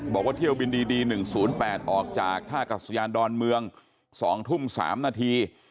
บอกว่าเที่ยวบินดี๑๐๘ออกจากท่ากัศยานดอนเมือง๒ทุ่ม๓นาที